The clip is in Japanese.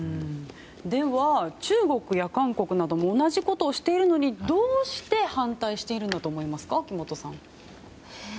では、中国や韓国なども同じことをしているのにどうして反対しているんだと思いますか、秋元さん。